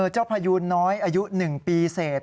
เจ้าพยูน้อยอายุหนึ่งปีเศษ